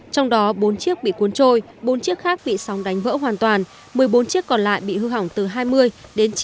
trong đó bốn chiếc bị cuốn trôi bốn chiếc khác bị sóng đánh vỡ hoàn toàn một mươi bốn chiếc còn lại bị hư hỏng từ hai mươi đến chín mươi